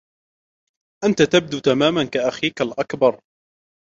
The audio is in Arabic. انت تبدو تماما كاخيك الاكبر.